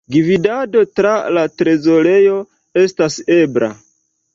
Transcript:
Gvidado tra la trezorejo estas ebla.